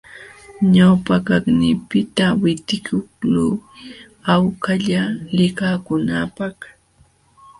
Ñawpaqniiypiqta witiqluy hawkalla likakunaapaq.